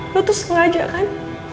lo tuh sengaja kan